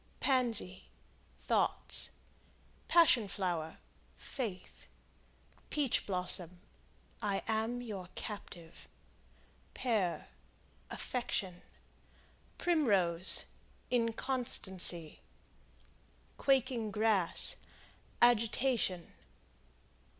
Pansy Thoughts. Passion Flower Faith. Peach Blossom I am your captive. Pear Affection. Primrose Inconstancy. Quaking Grass Agitation.